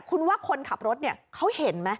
คุณว่าคนขับรถเขาเห็นไหม